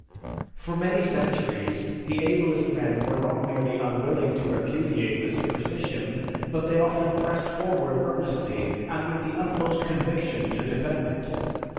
For many centuries the ablest men were not merely unwilling to repudiate the superstition, but they often pressed forward earnestly and with the utmost conviction to defend it.